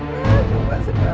masih minum uang kemana